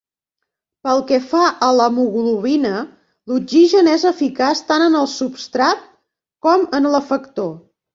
Pel que fa a l'hemoglobina, l'oxigen és eficaç tant en el substrat com en l'efector.